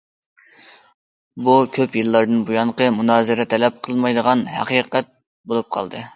بۇ كۆپ يىللاردىن بۇيانقى مۇنازىرە تەلەپ قىلمايدىغان ھەقىقەت بولۇپ قالدى.